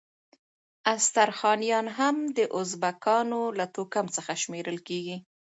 استرخانیان هم د ازبکانو له توکم څخه شمیرل کیږي.